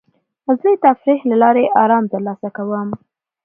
زه د تفریح له لارې ارام ترلاسه کوم.